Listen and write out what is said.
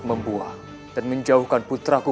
membuah dan menjauhkan putraku